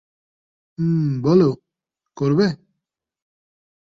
বলো, করবে?